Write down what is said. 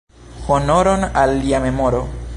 Honoron al lia memoro!